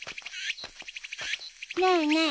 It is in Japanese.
ねえねえ。